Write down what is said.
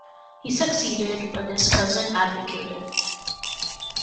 He succeeded when his cousin abdicated.